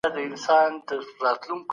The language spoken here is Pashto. واقعي پانګه باید په ټولنه کي راټوله سي.